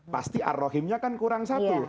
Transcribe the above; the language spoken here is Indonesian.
pasti ar rahimnya kan kurang satu